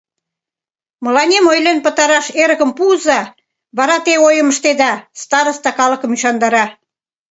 — Мыланем ойлен пытараш эрыкым пуыза, вара те ойым ыштеда. — староста калыкым ӱшандара.